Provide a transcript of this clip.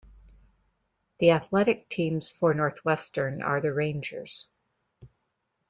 The athletic teams for Northwestern are the Rangers.